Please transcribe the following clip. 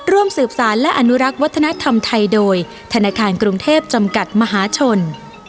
ร่วมสืบสารและอนุรักษ์วัฒนธรรมไทยโดยธนาคารกรุงเทพจำกัดมหาชน